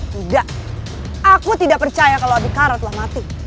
tidak aku tidak percaya kalau adikara telah mati